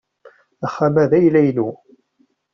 Axxam-a d ayla-inu.